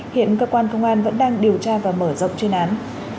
hiện cơ quan công an vẫn đang điều tra và mở rộng chuyên án